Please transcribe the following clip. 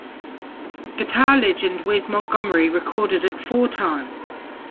Guitar legend Wes Montgomery recorded it four times.